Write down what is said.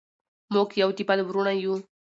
موږ یو د بل وروڼه یو.